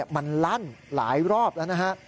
มันลั่นหลายรอบแล้วนะฮะ